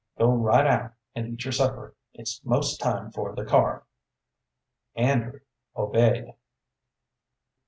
Go right out and eat your supper; it's most time for the car." Andrew obeyed.